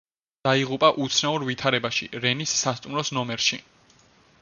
დაიღუპა უცნაურ ვითარებაში რენის სასტუმროს ნომერში.